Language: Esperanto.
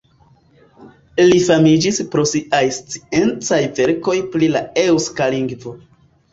Li famiĝis pro siaj sciencaj verkoj pri la eŭska lingvo.